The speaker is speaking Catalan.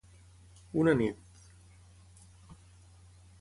Una nit...